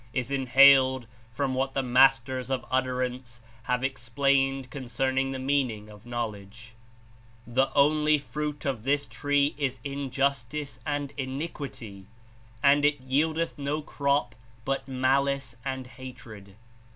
Is Inhaled from what the Masters of Utter ance have explained concerning the meaning of Knowl edge. The only fruit of this tree is injustice and Iniquity, and it yieldeth no crop but malice and hatred.